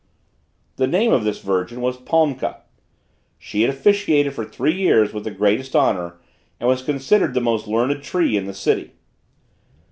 The name of this virgin was Palmka. She had officiated for three years with the greatest honor, and was considered the most learned tree in the city.